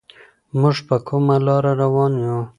موږ په کومه لاره روان يو؟